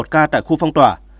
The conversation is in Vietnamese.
một ca tại khu phong tỏa